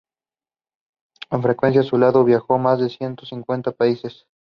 Con frecuencia, a su lado, viajó a más de ciento cincuenta países.